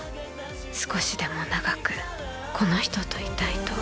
少しでも長くこの人といたいと。